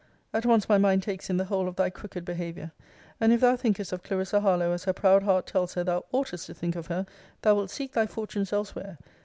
At once my mind takes in the whole of thy crooked behaviour; and if thou thinkest of Clarissa Harlowe as her proud heart tells her thou oughtest to think of her, thou wilt seek thy fortunes elsewhere.